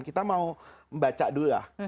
kita mau baca dulu lah